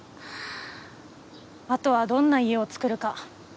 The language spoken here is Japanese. あとはどんな家を作るか。